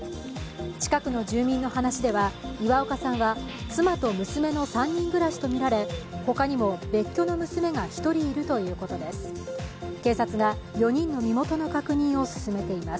近くの住民の話では岩岡さんは妻と娘の３人暮らしとみられ、他にも別居の娘が１人いるということです。